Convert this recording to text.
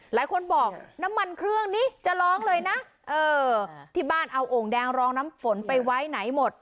หลายคนบอกน้ำมันเครื่องนี้จะร้องเลยนะเออที่บ้านเอาโอ่งแดงรองน้ำฝนไปไว้ไหนหมด